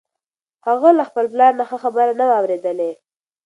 هغه له خپل پلار نه ښه خبره نه وه اورېدلې.